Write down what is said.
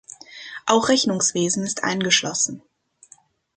Auch Rechnungswesen ist eingeschlossen.